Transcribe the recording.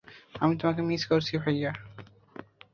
আমি তোমাকে মিস করছি, ভাইয়া।